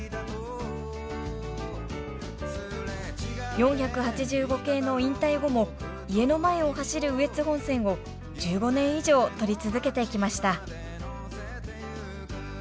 ４８５系の引退後も家の前を走る羽越本線を１５年以上撮り続けてきました。